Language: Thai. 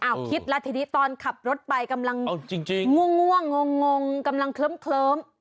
เอาคิดแล้วทีนี้ตอนขับรถไปกำลังง่วงงงกำลังเคลิ้ม